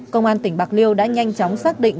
công an tỉnh bạc liêu đã nhanh chóng xác định